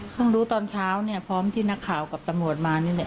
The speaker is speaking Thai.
รู้ตอนเช้าเนี่ยพร้อมที่นักข่าวกับตำรวจมานี่แหละ